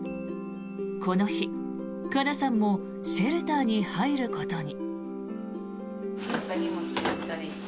この日、かなさんもシェルターに入ることに。